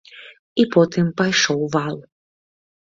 І потым пайшоў вал.